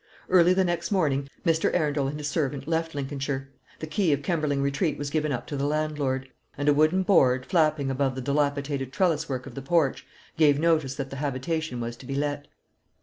Early the next morning Mr. Arundel and his servant left Lincolnshire; the key of Kemberling Retreat was given up to the landlord; and a wooden board, flapping above the dilapidated trellis work of the porch, gave notice that the habitation was to be let.